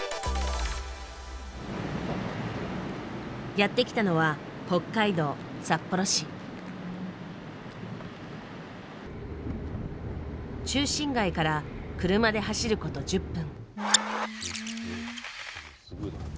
やって来たのは中心街から車で走ること１０分。